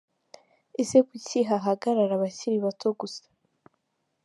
Ese kuki hagaragara abakiri bato gusa ?